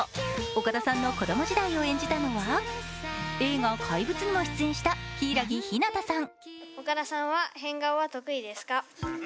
岡田さんの子供時代を演じたのは映画「怪物」にも出演した柊木陽太さん。